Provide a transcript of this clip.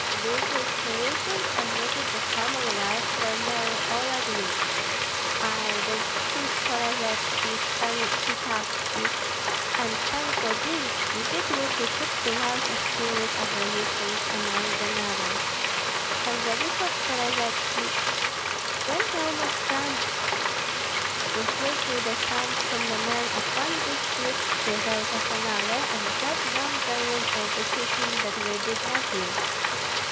"Virtue is perishing, and with it the Commonwealth, for nearly all agreed. I, the two Skorashevskis, Pan Tsisvitski, and Pan Klodzinski did what we could to rouse a spirit of resistance among the nobles. Pan Vladyslav Skorashevski went almost frantic. We flew through the camp from the men of one district to those of another, and God knows there was no beseeching that we did not use.